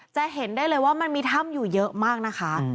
จะเห็นได้เลยว่ามันมีถ้ำอยู่เยอะมากนะคะ